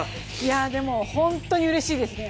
でも、本当にうれしいですね